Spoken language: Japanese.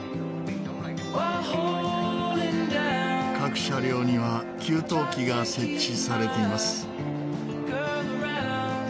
各車両には給湯器が設置されています。